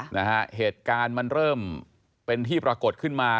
นะฮะเหตุการณ์มันเริ่มเป็นที่ปรากฏขึ้นมา